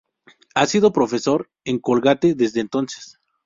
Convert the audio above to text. Ha sido profesor en Colgate desde entonces.